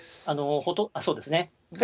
そうですね。